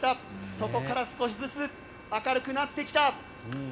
そこから少しずつ明るくなってきた。